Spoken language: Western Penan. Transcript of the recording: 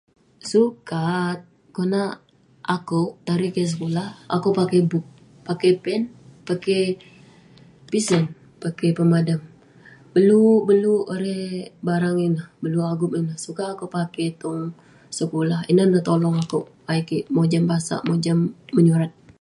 Sukat konak akuek Tarik kik sekulah akuek pake bok pake pen pake pesin pake pemadam beluk-beluk irei barang ineh beluk agup ineh sukat akuek pake tong sekulah ineh neh to long akuek ayuk kik mojam masak mojam menyurat